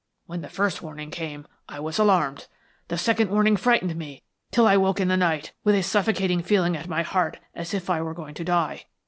When the first warning came I was alarmed. The second warning frightened me till I woke in the night with a suffocating feeling at my heart as if I were going to die.